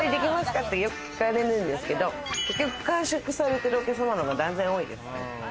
って、よく聞かれるんですけど、結局完食されてるお客さんの方が断然多いです。